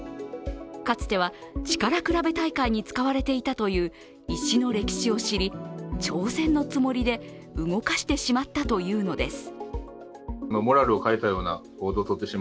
かつては力比べ大会に使われていたという石の歴史を知り、挑戦のつもりで動かしてしまったというのです。